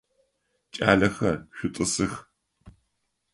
Кӏалэхэр, шъутӏысых!